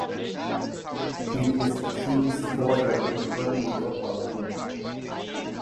He is a keen supporter of Burnley Football Club.